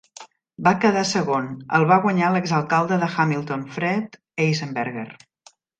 Va quedar segon, el va guanyar l'exalcalde de Hamilton, Fred Eisenberger.